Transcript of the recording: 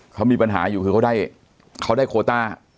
เขามีปัญหาอยู่คือเขาได้โคต้า